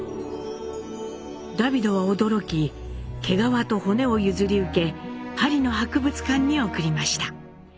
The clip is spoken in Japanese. ダヴィドは驚き毛皮と骨を譲り受けパリの博物館に送りました。